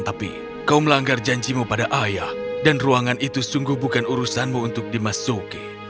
tapi kau melanggar janjimu pada ayah dan ruangan itu sungguh bukan urusanmu untuk dimasuki